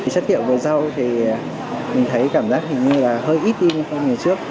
chất liệu của rau thì mình thấy cảm giác hơi ít đi như ngày trước